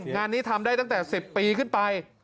งานนี้ทำได้ตั้งแต่๑๐ปีขึ้นไป